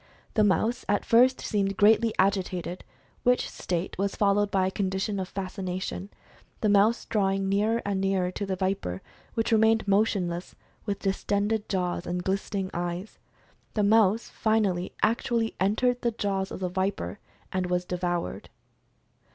The mouse at first seemed greatlv agitated, which state was followed by a condition of fascination, the mouse drawing nearer and nearer to the viper which remained motionless with distended jaws, and glistening eyes. The mouse, finally, actually entered the jaws of the viper, and was devoured.